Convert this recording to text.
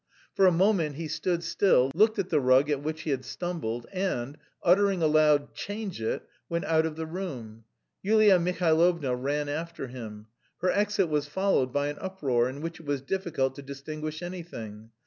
For a moment he stood still, looked at the rug at which he had stumbled, and, uttering aloud "Change it!" went out of the room. Yulia Mihailovna ran after him. Her exit was followed by an uproar, in which it was difficult to distinguish anything.